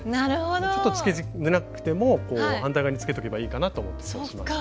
ちょっとつけづらくても反対側につけとけばいいかなと思ってそうしました。